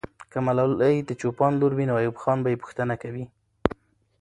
که ملالۍ د چوپان لور وي، نو ایوب خان به یې پوښتنه کوي.